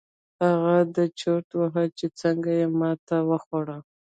هغه دا چورت واهه چې څنګه يې ماتې وخوړه.